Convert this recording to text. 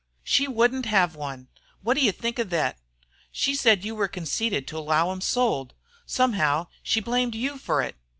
"She wouldn't hev one! Wot do you think of thet? Said you were conceited to allow 'em sold. Somehow she blamed you fer it.